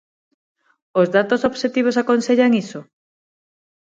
¿Os datos obxectivos aconsellan iso?